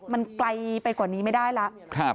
มันไกลไปกว่านี้ไม่ได้แล้ว